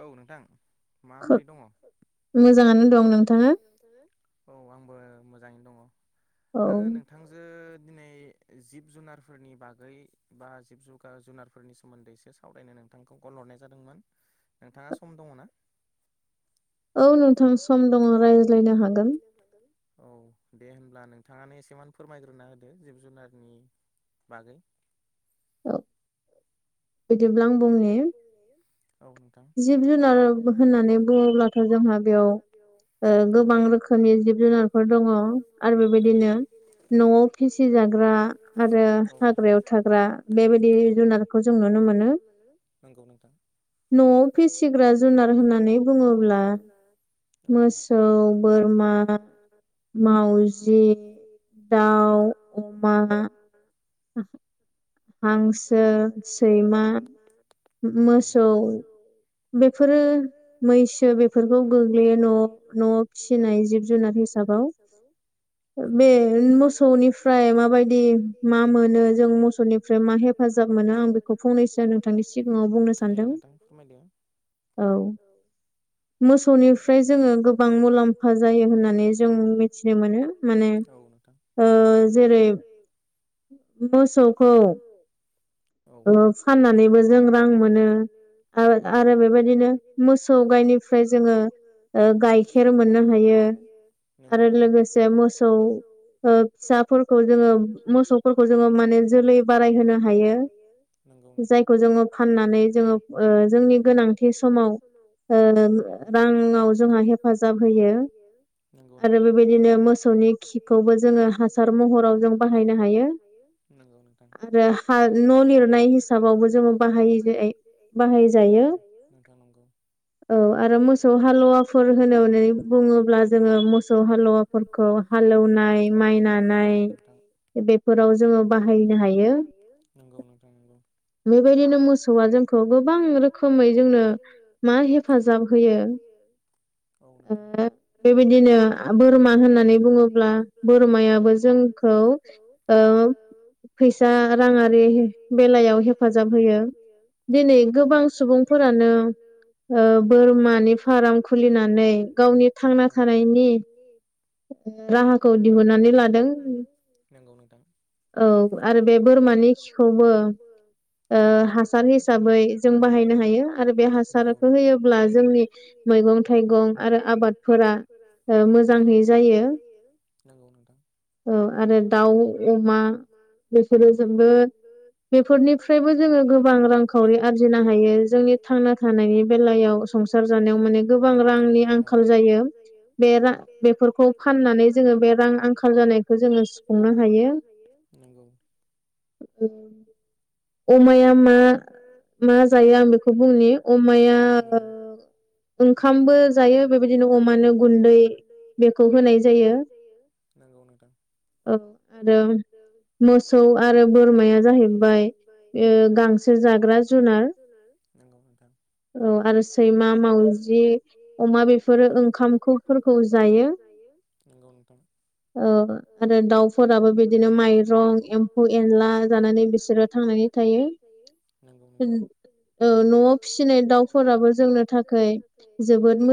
औ नोंथां। माबोरै दङ? मोजाङानो दं नोंथाङा। औ आंबो मोजाङैनो दङ। आङो नों थांजो दिनै जिब जुनारफोरनि बागै बा जिब जुगा जुनारफोरनि सोमोन्दै एसेसो सावरायनो नोंथांखौ कल हरनाय जादोंमोन। नोंथाङा सम दङ ना? औ नों औ नोंथां सम दङ रायज्लायनो हागोन। औ दे होनब्ला नोंथाङानो एसेमान फोरमायग्रोना होदो जिब जुनारनि बागै। ओ दिब्ला आ बुंनि। औ नों जिब जुनार होननानै बुङोब्लााथो जोंहा बेयाव ओ गोबां रोखोमनि जिब जुनारफोर दङ। [unintelligible] बिदिनो न'आव फिसि जाग्रा। आरो हाग्रायाव थाग्रा बेबायदि जुनारखौ जों नुनो मोनो। नंगौ नोंथां। न'आव फिसिग्रा जुनार होननानै बुङोब्ला। मोसौ, बोरमा मावजि, दाउ, अमा हांसो, सैमा, मो-मोसौ बेफोरो मैसो बेफोरखौ गोग्लैयो न'आव न'आव फिसिनाय जिब जुनार हिसाबाव। बाव नंगौ नोंथां। बे मोसौनिफ्राय माबायदि मा मोनो जों मोसौनि फ्राय मा हेफाजाब मोनो आं बेखौ फंनैसो नोंथांनि सिगांङाव फोरमायनो सानदों। औ मोसौनिफ्राय जोङो गोबां मुलाम्फा जायो होननानै जों मिथिनो मोनो। [unintelligible] ओ जेरै मोसौखौ ओ फाननानैबो जों रां मोनो। आरो आरो बेबायदिनो मोसौ गायनि फ्राय जोङो ओ गाइखेर मोननो हायो। आरो लोगोसे मोसौ फिसाफोरखौ जोङो मोसौफोरखौ जोङो माने जोलै बाराय होनो हायो। नंगौ नोंथां जायखौ जोङो फाननानै जोङो जोंनि गोनांथि समाव ओ राङाव जोंहा हेफाजाब होयोगौ आरो बेबायदिनो मोसौ मोसौनि खिखौबो जोङो हासार महराव जों बाहायनो हायो आरो। हिबावबो जो बाह बाहाय जायो। औ आरो मोसौ हालुवाफोर होननानै बुङोब्ला जोङो मोसौ हालुवाफोर हालेवनाय माइ लानाय बेफोराव जोङो बाहायनो हायो। नंगौ नोंथां बेबायदिनो मोसौआ जोंखौ गोबां रोखोमै जोंनो मा हेफाजाब होयो। औ बेबायदिनो बोरमा होननानै बुङोब्ला बोरमायाबो जों आ फैसा रां बेलायाव हेफाजाब होयो दिनै गोबां सुबुंफोरानो ओ बोरमानि फार्म खुलिनानै गावनि थांना थानायनि राहाखौ दिहुननानै लादों औ आरो बे बोरमानि नि खिखौबो हासार हिसाबै जों बाहायनो हायो आरो बे हासार होयोब्ला जोंनि मैगं थाइगं आरो आबादफोरा मोजाङै जायो। नोंगौ नोंथां औ आरो दाउ अमा बेफोरो जोबोद बेफोरनिफ्रायबो जोङो गोबां रांखावरि आरजिनो हायो जोंनि थांना थानायनि बेलायाव संसार जानायाव गोबां रांनि आंखाल जायो। बे रा फोरखौ फाननानै जोङो बे रां आंखाल जानायखौ जोङो सुफुंनो हायो। [unintelligible] अमाया मा मा जायो आं बेखौ बुंनि अमाया ओंखामबो जायो बेबायदिनो अमानो गुन्दै बेखौ होनाय जायो। नांगौ नोथां। औ आरो मोसौ आरो बोरमाया जाहैबाय ओ गांसो जाग्रा जुनार आरो सैमा मावजि अमा बेफोरो ओंखामफोरखौ जायो। नंगौ नोंथां। आरो दाउफोराबो बिदिनो माइरं एम्फौ एम्फौ एनला जानानै बिसोरो थांनानै थायो नंगौ नोंथां। औ न'आव फिसिनाय दाउफोराबो जोंनो थाखाय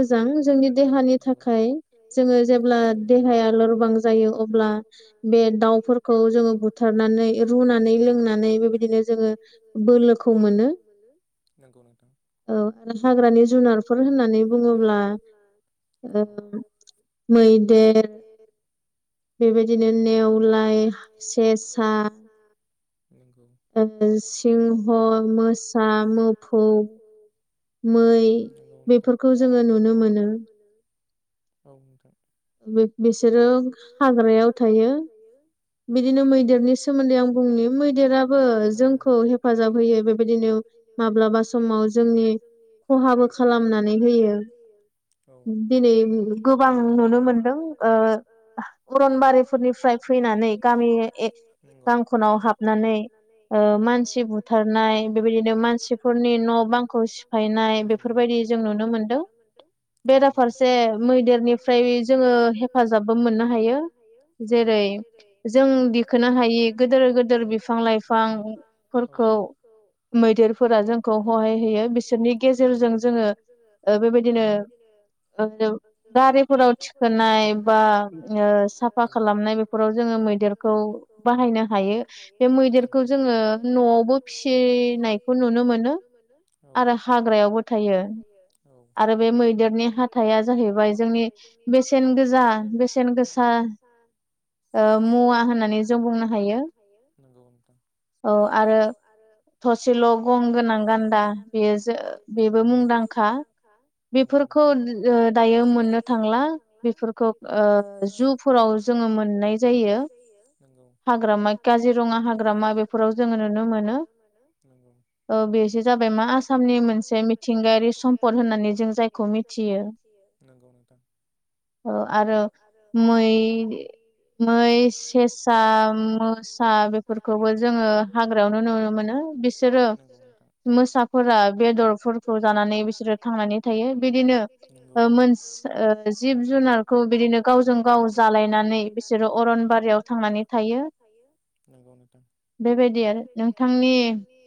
जोबोद मोजां जोंनि देहानि थाखाय जोङो जेब्ला देहाया लोरबां जायो अब्ला बे दाउफोरखौ जोङो बुथार रुनानै लोंनानैबोबायदिनो जोङो बोलोखौ मोनो नगौ नोंथां औ हाग्रानि जुनारफोर होननानै बुङोब्ला औ मैदेर बेबायदिनो नेवलाय सेसा सिंह मोसा मुफुर बेफोरखौ जोङो नुनो मोनो औ नोंथां बे बे बिसोरो हाग्रायाव थायो। बिदिनो मैदेरनि सोमोन्दै आं बुंनि मैदेराबो जोंखौ हेफाजाब होयो बे बेबायदिनो माब्लाबा समाव जोंनि खहाखौ खालामनानै होयो। दिनै गोबां नुनो मोनदों अरनबारिफोर निफ्राय फैनानै औ गामि गां खनाव हाबनानै मानसि बुथारनाय बेबायदि मानसिफोरनि न' बांखौ सिफायनाय बेफोरबायदि जों नुनो मोनदों। बेराफारसे मैदेरनिफ्राय जोङो हेफाजाबबो मोननो हायो। औ जेरै जों दिखोनो हायि गोदोर गोदोर बिफां-लाइफांफोरखौ मैदेरफोरा जोंखौ खहाय होयो बिसोरनि गेजेरजों जोङो ओ बेबायदिनो ओ गारिफोराव थिखोनाय बा ओ साफा खालामनाय बेफोराव जोङो मैद- देरखौ मैदेरखौ बाहायनो हायो बे मैदेरखौ जोङो न'आवबो फिसिनायखौ नुनो मोनो। औ आरो हाग्रायावबो थायो औ आरो बे मैदेरनि हाथाइआ जाहैबाय जोंनि बेसेन गोजा बेसेन गोसा ओ मुवा मुवा होननानै जों बुंनो हायो। नंगौ नोंथां औ आरो थसेल' गं गोनां गान्दा बेयो बेबो मुंदांखा। बेफोरखौ ओ दायो मोननो थांला बेफोरखौ जुग फोराव जोङो मोननाय जायो। मोननाय जायो। नंगौ हाग्रामा काजिरङा हाग्रामा बेफोराव जोङो नुनो मोनो। औ बेसो जाबाय मा आसामनि मोनसे मिथिंगायारि सम्पद होननानै जों जायखौ मिथियो। नंगौ नोंथां औ आरो मै मै सेस- सा, मोसा बेफोरखौबो जोङो हाग्रायावनो नुनो मोनो। बिसोरो मोसाफोरा बेदरफोरखौ जानानै बिसोरो थांनानै थायो। बिदिनो मोन- मोन ओ जिब-जुनारखौ बिदिनो गावजों-गाव जालाय- बिसोरो अरनबारियाव थां- बारियाव थांनानै थायो। नंगौ नोंथां बेबायदि आरो नोंथांनि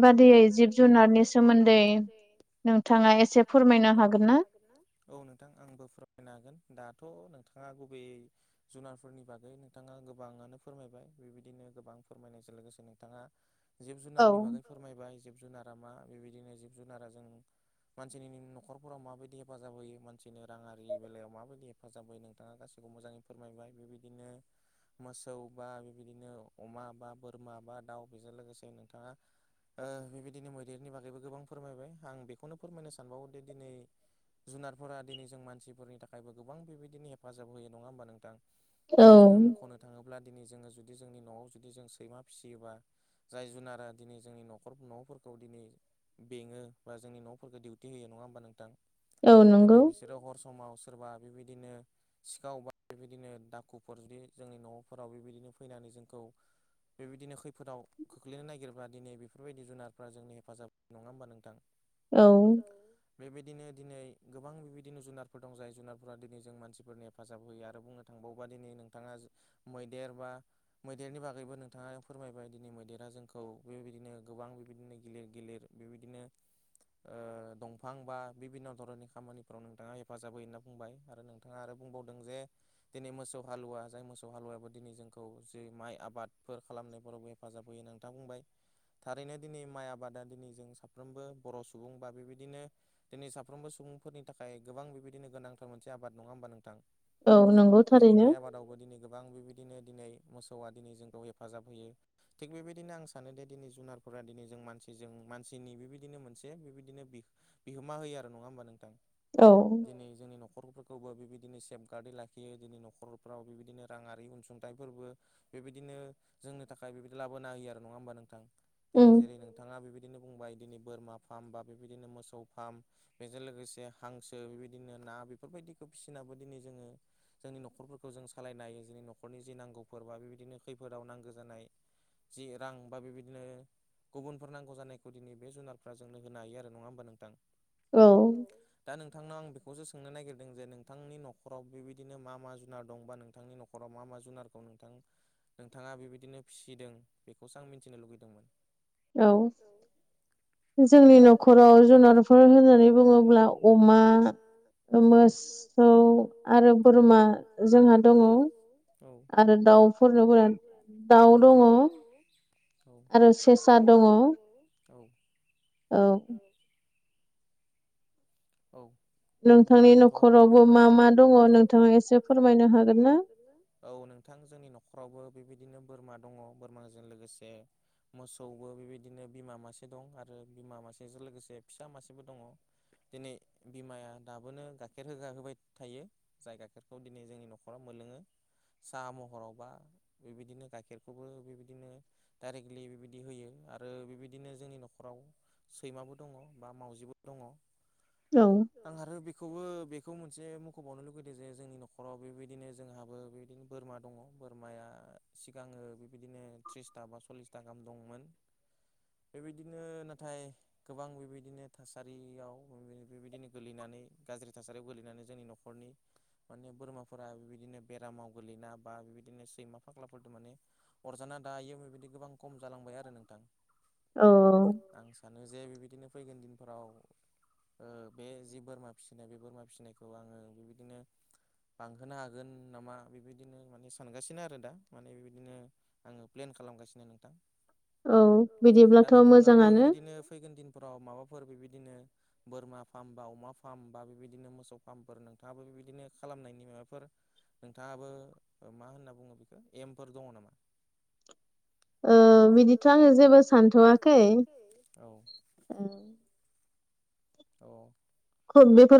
बुजिनाय बादियै जिब-जुनारनि सोमोन्दै दै नोंथाङा एसे फोरमायनो हागोन ना? औ नोंथां आंबो फोरमायनो हागोन दाथ' नोंथाङा गुबै जुनारफोरनि बागै- नोंथाङा गोबाङानो फोरमायबाय। बेबायदिनो गोबां फोरमायनायजों लोगोसे नोंथाङा जिब-जुनारनि बागै फोरमायबाय जिब-जुनारा मा बेबायदिनो जिब- जुनारा जों मानसिनि न'खरफोराव माबायदि हेफाजाब होयो मानसिनि राङारि बेलायाव माबायदि हेफाजाबै नोंथाङा गासैखौ मोजाङै फोरमायबाय। बेबायदिनो मोसौ बा बेबायदिनो अमा बा बोरमा बा दाउ बेजों लोगोसे नोंथाङा ओ बेबायदिनो मैदेरनि बागैबो गोबां फोरमायबाय आं बेखौनो फोरमायनो सानबावो दि दिनै जुनारफोरा दिनै जों मानसिफोरनि थाखायबो गोबां बेबायदिनो हेफाजाब होयो। नङा होमबा नोंथां? दिनै जोङो मख'नो थाङोब्ला दिनै जोङो जुदि जोंनि न'आव जुदि जों सैमा फिसियोबा जाय जुनारा दिनै जोंनि न'खर न'फोरखौ दिनै बेङो बा जोंनि न'फोरखौ दिउटि होयो। नङा होमबा नोंथां? दिनै बिसोरो हर समाव सोरबा बेबायदिनो सिखाव बा बेबायदिनो दा- खुफोर जुदि जोंनि न'फोराव बेबायदिनो फैनानै जोंखौ बेबायदिनो खैफोदाव खोख्लैनो नागिरोब्ला दिनै बेफोरबायदि जुनारफ्रा जोंनि हेफाजाब। नङा होमबा नोंथां? औ बेबायदिनो दिनै गोबां बेबायदिनो जुनारफोर दं। जाय जुनारफोरा दिनै जों मानसिफोरनि हेफाजाब होयो आरो बुंनो थांबाव- वोबा दिनि नोंथाङा मैदेर बा मैदेरनि बागैबो नोंथाङा फोरमायबाय दिनै मैदेरा जोंखौ बेबायदिनो गोबां बेबायदिनो गिलिर-गिलिर बेबायदिनो ओ दंफां बा बिभिन्न' धरननि खामानिफ्राव नोंथाङा हेफाजाब होयो होनना बुंबाय। आरो नों- थाङा आरो बुंबावदों जे दिनै मोसौ हालुवा जाय मोसौ हालुवाबो दिनै जोंखौ जे माइ आबादफोर खालामनायफोरावबो हेफाजाब होयो नोंथाङा बुंबाय थारैनो दिनै माइ आबादा दिनै जों साफ्रोमबो बर' सुबुं बा बेबायदिनो दिनै साफ्रोमबो सुबुंफोरनि थाखाय गोबां बेबायदिनो गोनांथार मोनसे आबाद। नङा होमबा नोंथां? दिनै बे आबादावबो दिनै गोबां बेबायदिनो दिनै मोसौआ दिनै जोंखौ हेफाजाब होयो। थिग बेबायदिनो आं सानो दे दिनै जुनारफोरा दिनै जों मानसिजों मानसिनि बेबायदिनो मोनसे बेबायदिनो बि बिहोमा होयो आरो नङा होमबा नोंथां दिनै जोंनि न'खरफोरखौबो बेबायदिनो सेफ गार्डदै लाखि खियो दिनै न'खरफ्राव बेबायदिनो राङारि अनसुंथाइफोरबो बेबायदिनो जोंनो थाखाय बेबायदि लाबोना होयो आरो नङा होमबा नोंथां दिनै जेरै नोंथाङा बेबाय दिनो बुंबाय दिनै बोरमा फार्म बा बेबायदिनो मोसौ फार्म बेजों लोगोसे हांसो बेबायदिनो ना बेफोरबायदिखौ फिसिनाबो दिनै जोङो जोंनि न'खरफोरखौ जों सालायनो हायो जोंनि न'खरनि जि नांगौफोर बा बेबायदिनो खैफोदाव नांगो जानाय जि रां बा बेबायदिनो गुबुनफोर नांगौ जानायखौ दिनै बे जुनारफोरा जोंनो होनो हायो आरो नङा होमबा नोंथां? औ दा नोंथांनाव आं बेखौसो सोंनो नागिरदों जे नोंथांनि न'खराव बेबाय दिनो मा मा जुनार दंबा नोंथांनि नखराव मा मा जुनारखौ नोंथां नोंथाङा बेबायदिनो फिसिदों बेखौसो आं मिथिनो लुगैदोंमोन। औ औ जोंनि न'खराव जुनारफोर होननानै बुङोब्ला अमा औ मोसौ औ आरो बोरमा जोंहा दङ औ आरो दाउफोरबो औ दाव दङ औ आरो सेसा दङ औ औ औ होनबाथ बेबाय नोंथांनि न'खरावबो मा मा दङ नोंथाङा एसे फोरमायनो हागोन ना? औ नोंथां जोंनि न'खरावबो बेबायदिनो बोरमा दङ बोरमाजों लोगोसे मोसौबो बेबायदिनो बिमा मासे दं आरो बिमा मासेजों लोगोसे फिसा मासेबो दङ। दिनै बिमाया दाबोनो गाइखेर होग्रा होबाय थायो। जाय गाइखेरखौ दिनै जोंनि न'खरा मोनलोङो साहा महराव बा बेबायदिनो गाइखेरखौबो बेबायदिनो डाइरेक्टलि बेबायदि होयो आरो बेबायदिनो जोंनि न'खराव सैमाबो दङ बा मावजिबो दङ। औ आं आरो बेखौबो बेखौ मोनसे मख'बावनो लुगैदों जे जोंनि न'खराव बेबायदिनो जोंहाबो बे दिनो बोरमा दङ बोरमाया सिगाङो बिबायदिनो त्रिसथा बा सल्लिसथा गाहाम दंमोन। बेबायदिनो नाथाय गोबां बेबायदिनो थासारियाव बेबायदिनो गोलैनानै गाज्रि थासारियाव गोलैनानै जोंनि न'खरनि माने बोरमाफोरा बेबायदिनो बेरामाव गोलैना बा बेबायदिनो सैमा फाग्लाफोरजों माने अरजाना दायो बेबायदि गोबां खम जालांबाय आरो नोंथां। औ आं सानो जे बेबायदिनो फैगोन दिनफोराव ओ बे जि बोरमा फिसिनाय बे बोरमा फिसिनायखौ आङो बेबायदिनो बांहोनो हागोन नामा बेबायदिनो माने सानगासिनो आरो दा माने बेबायदिनो आङो प्लेन खालामगासिनो नोंथां दा नोंथाङाबो बेबायदिनो फैगोन दिन फोराव माबाफोर बेबायदिनो बोरमा फार्म बा अमा फार्म बा बेबायदिनो मोसौ फार्मफोर नोंथाङाबो बेबायदिनो खालामनायनि माबाफोर नोंथाङाबो मा होनना बुङो बेखौ एमफोर दङ नामा? ओ बिदिथ' आङो जेबो सानथ'वाखै औ औ औ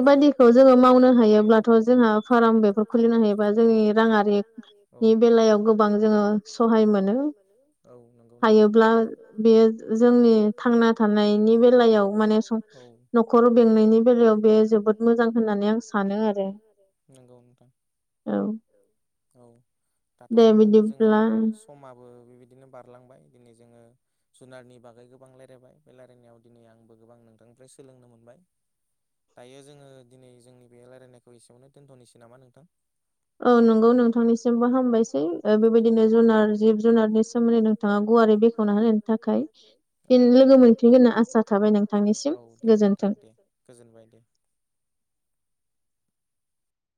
माने बेफोरबायदिखौ जोङो मावनो हायोब्लाथ' जोंहा फार्म बेफोर खुुलिनो हायोबा जोंनि रांआ थि नि बेलायाव गोबां जोङो सहाय मोनो औ नंगौ नोंथां। ब्ला बे जोंनि थांना थानायनि बेलायाव माने न'खर बेंनायनि बेलायाव बे जोबोद मोजां होननानै आं सानो आरो नगौ नोंथां औ औ दाथ' नोंथां जोंहा समाबो बेबायदिनो बारलांबाय दिनै जोङो जुनारनि बागै गोबां रायलायबाय बे रायलायनायाव दिनै आंबो गोबां नोंथांनिफ्राय सोलोंनो मोनबाय दायो जोङो दिनै जोंनि बे रायलायनायखौ एसेयावनो दोनथ'नोसै नामा नोंथां औ नंगौ नोंथांनिसिमबो हामबायसै बेबायदिनो जुनार जुनारनि नोंथाङा गुवारि बेख'ना होनायनि थाखायों लोगो मोनसै होनना आसा थाबाय नोंथांनि सिम दे गोजोनबाय दे